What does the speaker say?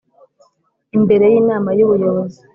Imbere y Inama y Ubuyobozi